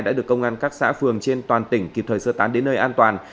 đã được công an các xã phường trên toàn tỉnh kịp thời sơ tán đến nơi an toàn